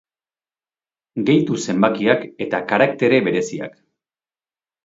Gehitu zenbakiak eta karaktere bereziak.